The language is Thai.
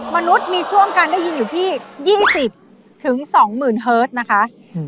มนุษย์มีช่วงการได้ยินอยู่ที่ยี่สิบถึงสองหมื่นเฮิตนะคะอืม